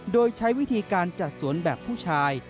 โดยใช้วิธีการจัดสวนแบบผู้ชาย